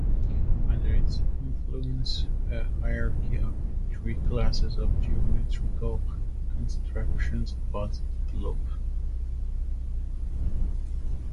Under its influence a hierarchy of three classes of geometrical constructions was developed.